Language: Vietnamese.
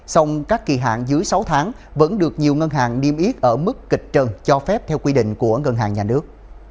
song các kỳ hạn dưới sáu tháng vẫn được nhiều ngân hàng niêm yết ở mức kịch trần cho phép theo quy định của ngân hàng nhà nước